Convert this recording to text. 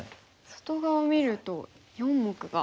外側見ると４目が。